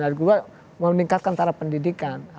yang kedua meningkatkan tara pendidikan